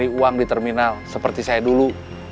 dia gak mau beri uang di terminal seperti saya dulu